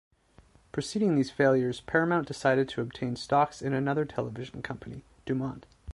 Preceding these failures Paramount decided to obtain stocks in another television company, DuMont.